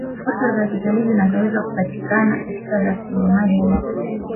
Fursa za kitalii zinazoweza kupatikana katika rasimali hizo